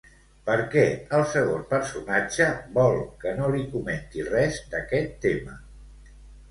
Per què el segon personatge vol que no li comenti res d'aquest tema?